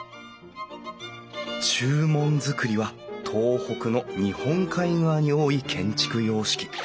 中門造りは東北の日本海側に多い建築様式。